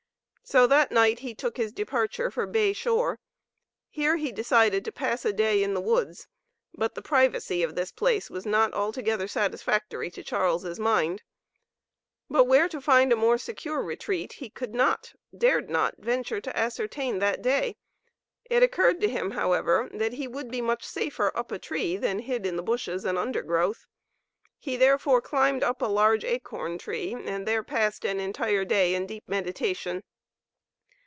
So that night he took his departure for Bay Shore; here he decided to pass a day in the woods, but the privacy of this place was not altogether satisfactory to Charles' mind; but where to find a more secure retreat he could not, dared not venture to ascertain that day. It occurred to him, however, that he would be much safer up a tree than hid in the bushes and undergrowth. He therefore climbed up a large acorn tree and there passed an entire day in deep meditation.